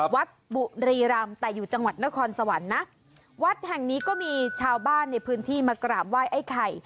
วัดบุรีรำแต่อยู่จังหวัดนครสวรรค์นะวัดแห่งนี้ก็มีชาวบ้านในพื้นที่มากราบไหว้ไอ้ไข่